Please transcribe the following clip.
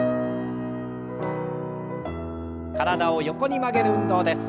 体を横に曲げる運動です。